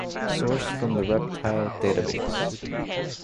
Sourced from "The Reptile Database".